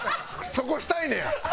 そこしたいねんや？